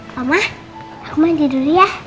mama aku lagi dulu ya